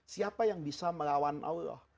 siapa yang bisa melawan allah